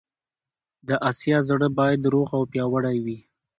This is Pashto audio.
د اسیا زړه باید روغ او پیاوړی وي.